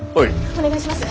お願いします。